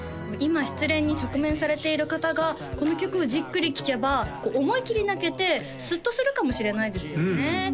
今失恋に直面されている方がこの曲をじっくり聴けばこう思い切り泣けてスッとするかもしれないですよね